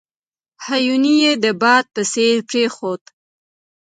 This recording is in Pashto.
هیوني یې د باد په څېر پرېښود.